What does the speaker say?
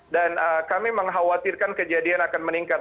dan kami mengkhawatirkan kejadian akan meningkat